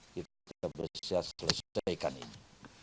kita bersih bersih selesaikan ini